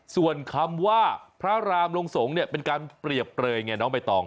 ส่วนคำว่าพระรามลงสงฆ์เนี่ยเป็นการเปรียบเปลยไงน้องใบตอง